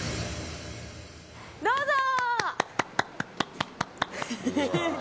どうぞ！